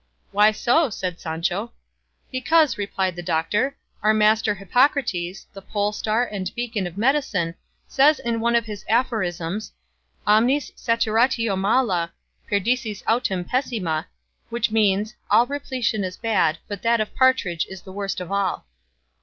"Why so?" said Sancho. "Because," replied the doctor, "our master Hippocrates, the polestar and beacon of medicine, says in one of his aphorisms omnis saturatio mala, perdicis autem pessima, which means 'all repletion is bad, but that of partridge is the worst of all."